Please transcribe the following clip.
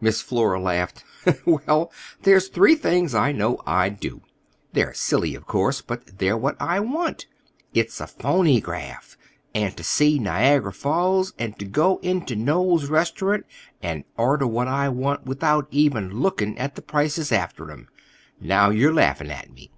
Miss Flora laughed. "Well, there's three things I know I'd do. They're silly, of course, but they're what I want. It's a phonygraph, and to see Niagara Falls, and to go into Noell's restaurant and order what I want without even looking at the prices after 'em. Now you're laughing at me!"